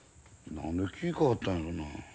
何で気ぃ変わったんや？